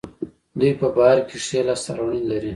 دوی په بهر کې ښې لاسته راوړنې لري.